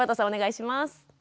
お願いします。